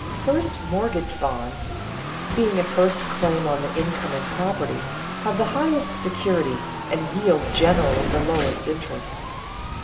First mortgage bonds, being a first claim on the income and property, have the highest security and yield generally the lowest interest.